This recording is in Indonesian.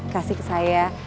kasih ke saya